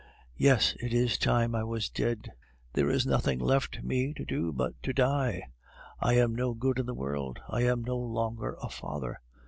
Yes, it is time I was dead; there is nothing left me to do but to die. I am no good in the world; I am no longer a father!